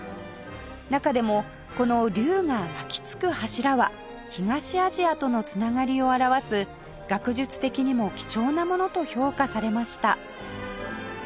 中でもこの龍が巻きつく柱は東アジアとの繋がりを表す学術的にも貴重なものと評価されました